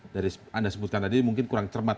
dari anda sebutkan tadi mungkin kurang cermat